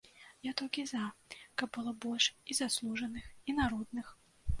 Я толькі за, каб было больш і заслужаных і народных.